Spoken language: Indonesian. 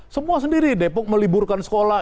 semua sendiri depok meliburkan sekolah